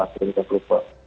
sehingga kita kelupa